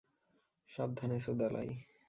সাবধানে, সুদালাই।